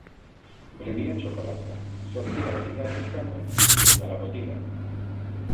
Prenia xocolata, sortia a estirar les cames... i a la botiga